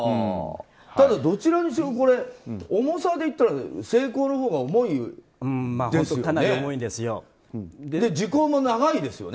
ただ、どちらにしろ重さで言ったら性交のほうが重いですよね。